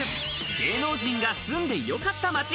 芸能人が住んでよかった街！